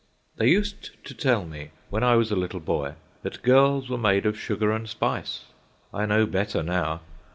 They used to tell me, when I was a little boy, that girls were made of sugar and spice. I know better now.